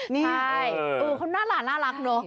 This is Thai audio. นี่เขาน่ารักเนอะ